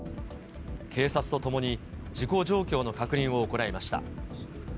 警察と共に事故状況の確認を行いました。